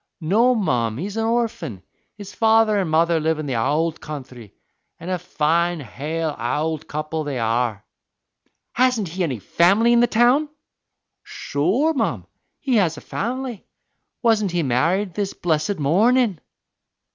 "No, mum; he's an orphan. His father and mother live in the owld counthry, an' a fine, hale owld couple they are." "Hasn't he any family in the town?" "Sure, mum, he has a family; wasn't he married this blessed mornin'?"